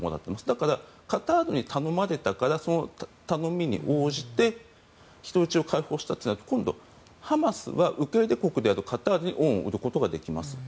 だから、カタールに頼まれたからその頼みに応じて人質を解放したということになると今度、ハマスは受け入れ国であるカタールに恩を売ることができます。